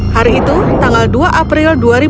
hari itu tanggal dua april dua ribu lima belas